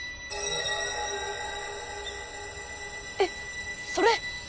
えっそれ。